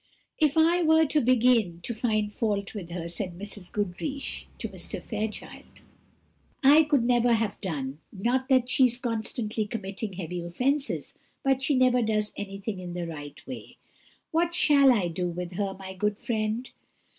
"If I were to begin to find fault with her," said Mrs. Goodriche to Mr. Fairchild, "I could never have done: not that she is constantly committing heavy offences, but she never does anything in the right way. What shall I do with her, my good friend?"